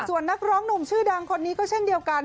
ส่วนนักร้องหนุ่มชื่อดังคนนี้ก็เช่นเดียวกัน